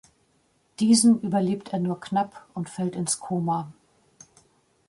Diesen überlebt er nur knapp und fällt ins Koma.